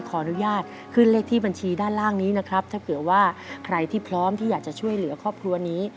ขออนุญาตขึ้นเลขที่บัญชีด้านล่างนี้นะครับถ้าเผื่อว่าใครที่พร้อมที่อยากจะช่วยเหลือครอบครัวนี้